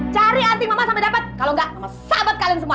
cari anti mama sampai dapat kalau enggak sahabat kalian semua